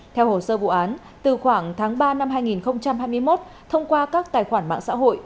theo hồ sơ vụ án từ khoảng tháng ba năm hai nghìn hai mươi một thông qua các tài khoản mạng xã hội